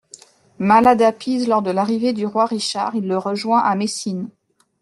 Malade à Pise lors de l'arrivée du roi Richard, il le rejoint à Messine.